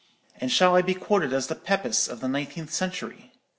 and shall I be quoted as the Pepys of the nineteenth century?